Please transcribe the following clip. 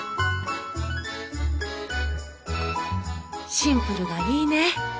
シンプルがいいね！